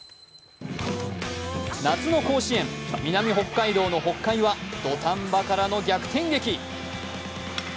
夏の甲子園、南北海道の北海は、土壇場からの逆転劇。